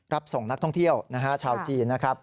รับส่งนักท่องเที่ยวชาวจีนนะครับ